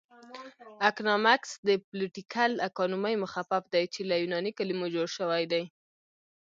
اکنامکس د پولیټیکل اکانومي مخفف دی چې له یوناني کلمو جوړ شوی دی